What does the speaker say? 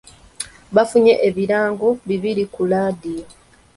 Bafunye ebirango bibiri ku laadiyo.